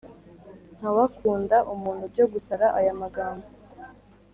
ntawakunda umuntu byo gusara aya magambo